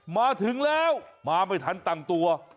มาถึงแล้วมาไม่ทันตั้งตัว